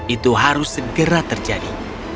itu harus segera terjadi